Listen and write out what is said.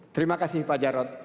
terima kasih pak jarod